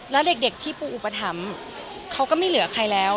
แล้วเด็กที่ปูอุปถัมภ์เขาก็ไม่เหลือใครแล้ว